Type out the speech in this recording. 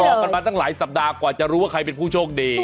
บอกกันมาตั้งหลายสัปดาห์กว่าจะรู้ว่าใครเป็นผู้โชคดี